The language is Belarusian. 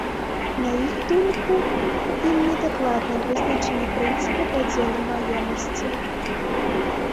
На іх думку, у ім недакладна вызначаны прынцыпы падзелу маёмасці.